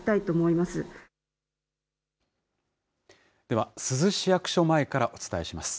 では、珠洲市役所前からお伝えします。